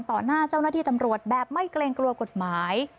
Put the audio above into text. หน้าเจ้าหน้าที่ตำรวจแบบไม่เกรงกลัวกฎหมาย